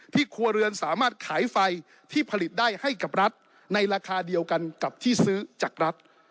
ครัวเรือนสามารถขายไฟที่ผลิตได้ให้กับรัฐในราคาเดียวกันกับที่ซื้อจากรัฐ